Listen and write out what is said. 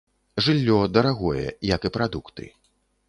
Жыллё дарагое, як і прадукты.